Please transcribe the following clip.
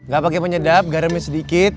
gak pakai penyedap garamnya sedikit